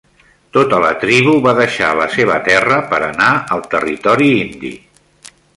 Tota la tribu va deixar la seva terra per anar al Territori Indi.